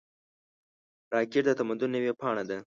راکټ د تمدن نوې پاڼه ده